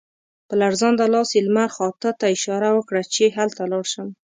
په لړزانده لاس یې لمر خاته ته اشاره وکړه چې هلته لاړ شم.